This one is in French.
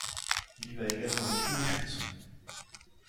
Il lui a également écrit des chansons.